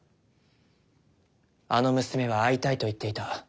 あの娘は会いたいと言っていた。